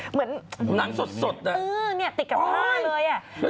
เหมือนหนังสดติดกับผ้าเลย